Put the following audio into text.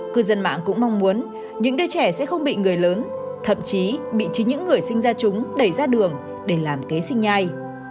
cư dân mạng cũng mong muốn những đứa trẻ sẽ không bị người lớn thậm chí bị chính những người sinh ra chúng đẩy ra đường để làm kế sinh nhai